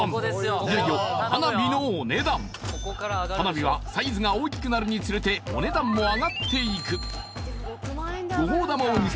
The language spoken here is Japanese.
いよいよ花火のお値段花火はサイズが大きくなるにつれて一気に１億円を突破！